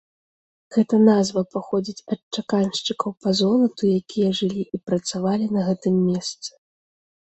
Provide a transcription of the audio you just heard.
Гэта назва паходзіць ад чаканшчыкаў па золату, якія жылі і працавалі на гэтым месцы.